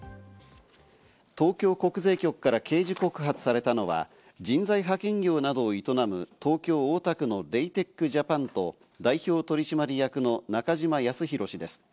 東京国税局から刑事告発されたのは、人材派遣業などを営む東京・大田区のレイテック・ジャパンと、代表取締役の中嶋靖浩氏です。